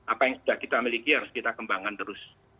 apa yang sudah kita miliki harus kita kembangkan terus